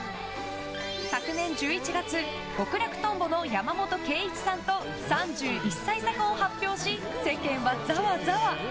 昨年の１１月極楽とんぼの山本圭壱さんと３１歳差婚を発表し世間はざわざわ。